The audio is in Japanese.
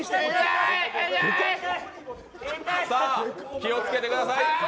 気を付けてください。